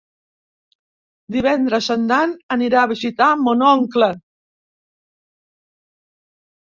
Divendres en Dan anirà a visitar mon oncle.